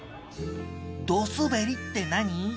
「ドすべり」って何？